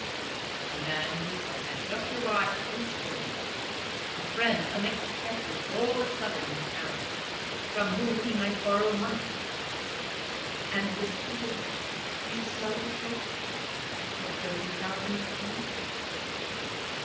A man, he said, had just arrived from Spain, a friend unexpected all of a sudden in Paris, from whom he might borrow money: and would Peters resell the coat for thirty thousand pounds?